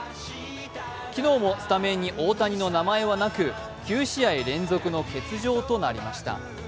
昨日もスタメンに大谷の名前はなく、９試合連続の欠場となりました。